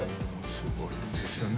すごいですよね